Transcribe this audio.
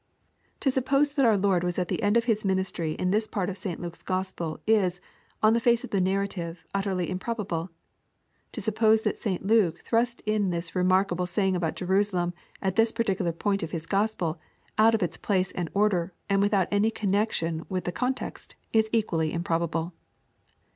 To suppose that our Lord was at the end of His ministry in this part of St. Luke's Gospel is, on the face of the narrative, utterly improbable. To suppose that St Luke thrust in this remarkable saying about Jerusalem at this particular point of his Gospel, out of its place and order, and without any connection with the con text, is equally improbable.